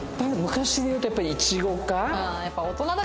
昔でいうとやっぱりイチゴか。